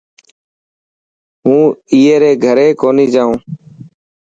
مون ائي ري گھري ڪوني جائون.